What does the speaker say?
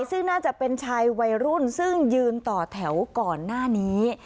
ซึ่งน่าจะเป็นชายวัยรุ่นซึ่งยืนต่อแถวก่อนหน้านี้